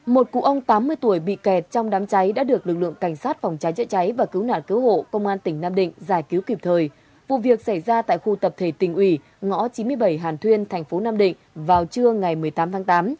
một cụ ông tám mươi tuổi bị kẹt trong đám cháy đã được lực lượng cảnh sát phòng cháy chữa cháy và cứu nạn cứu hộ công an tỉnh nam định giải cứu kịp thời vụ việc xảy ra tại khu tập thể tỉnh ủy ngõ chín mươi bảy hàn thuyên thành phố nam định vào trưa ngày một mươi tám tháng tám